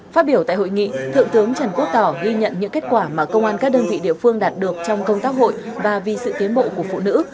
phát biểu tại hội nghị thượng tướng trần quốc tỏ ghi nhận những kết quả mà công an các đơn vị địa phương đạt được trong công tác hội và vì sự tiến bộ của phụ nữ